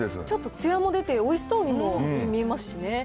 ちょっとつやも出て、おいしそうにも見えますしね。